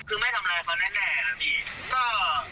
คือไม่ทำอะไรกับเขาแน่นะพี่